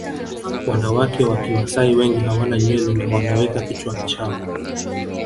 Wanawake wa Kimasai wengi hawana nywele na wanaweka kichwa chao